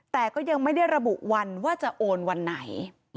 แต่ก็ยังไม่ได้ระบุวันว่าจะโอนวันไหน